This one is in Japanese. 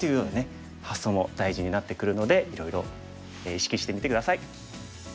発想も大事になってくるのでいろいろ意識してみて下さい。